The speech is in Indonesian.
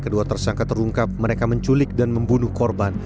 kedua tersangka terungkap mereka menculik dan membunuh korban